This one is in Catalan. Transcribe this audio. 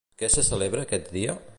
Què se celebra aquest dia?